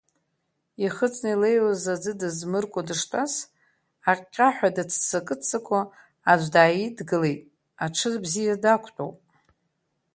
Ихыҵны илеиуаз аӡы дызмыркәа дыштәаз, аҟьҟьаҳәа дыццакы-ццакуа аӡә дааидгылеит, аҽы бзиа дақәтәоуп.